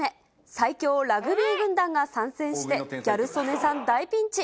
最強ラグビー軍団が参戦して、ギャル曽根さん大ピンチ。